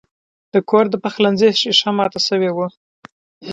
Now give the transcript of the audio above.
د کور د پخلنځي شیشه مات شوې وه.